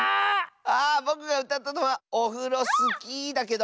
あぼくがうたったのはオフロスキーだけど。